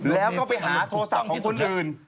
แล้วก็ไปหาโทรศัพท์ของคนอื่น